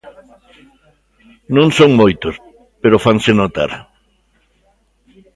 Non son moitos, pero fanse notar.